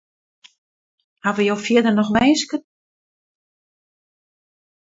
Hawwe jo fierder noch winsken?